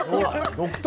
独特。